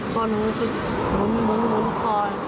ก็หนูจะหมุนคอ